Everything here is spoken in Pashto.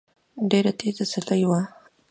ډېره تېزه سيلۍ وه